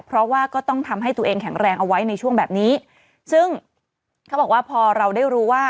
เพราะว่าก็ต้องทำให้ตัวเองแข็งแรงเอาไว้ในช่วงแบบนี้ซึ่งเขาบอกว่าพอเราได้รู้ว่า